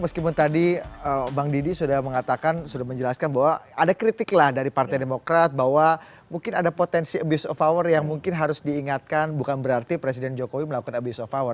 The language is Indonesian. meskipun tadi bang didi sudah mengatakan sudah menjelaskan bahwa ada kritiklah dari partai demokrat bahwa mungkin ada potensi abuse of power yang mungkin harus diingatkan bukan berarti presiden jokowi melakukan abuse of power